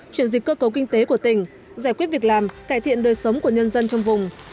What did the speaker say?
chuyển dịch cơ cấu kinh tế của tỉnh giải quyết việc làm cải thiện đời sống của nhân dân trong vùng